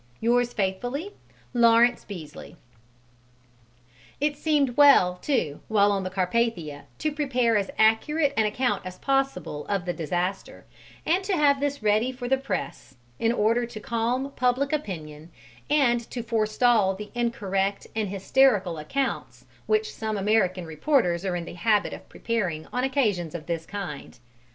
Yours faithfully, LAWRENCE BEESLEY. It seemed well, too, while on the Carpathia to prepare as accurate an account as possible of the disaster and to have this ready for the press, in order to calm public opinion and to forestall the incorrect and hysterical accounts which some American reporters are in the habit of preparing on occasions of this kind.